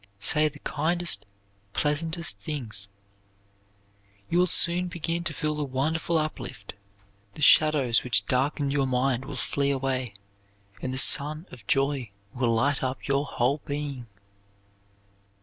Say the kindest, pleasantest things. You will soon begin to feel a wonderful uplift; the shadows which darkened your mind will flee away, and the sun of joy will light up your whole being.